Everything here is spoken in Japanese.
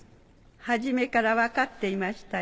初めから分かっていましたよ。